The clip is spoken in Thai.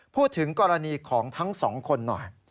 พูดถึงกรณีของทั้งสองคนหน่อย